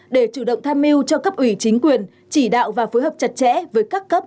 để chủ động tham mưu cho cấp ủy chính quyền chỉ đạo và phối hợp chặt chẽ với các cấp